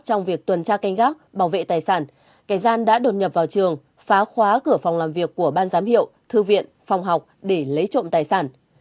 trong việc tuần tra canh gác bảo vệ tài sản kẻ gian đã đột nhập vào trường phá khóa cửa phòng làm việc của ban giám hiệu thư viện phòng học để lấy trộm tài sản